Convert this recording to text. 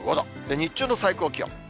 日中の最高気温。